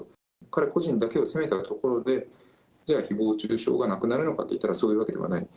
彼個人だけを責めたところで、ひぼう中傷がなくなるのかといったらそういうわけではない。